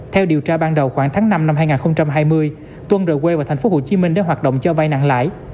theo điều tra ban đầu khoảng tháng năm năm hai nghìn hai mươi tuân rời quê vào tp hcm để hoạt động cho vai nặng lãi